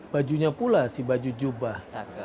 bajunya pula si baju jubah